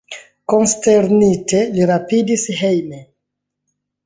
Konsternite li rapidis hejmen.